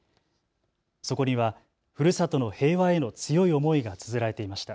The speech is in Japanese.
そこには、ふるさとの平和への強い思いがつづられていました。